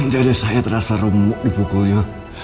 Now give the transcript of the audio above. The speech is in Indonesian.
jadi saya terasa remuk dipukulnya